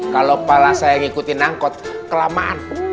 kalau pala saya ngikutin angkot kelamaan